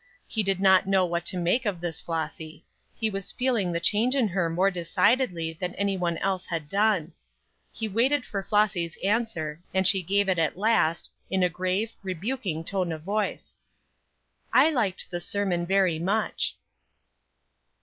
He did not know what to make of this Flossy; he was feeling the change in her more decidedly than anyone else had done. He waited for Flossy's answer, and she gave it at last, in a grave, rebuking tone of voice: "I liked the sermon very much."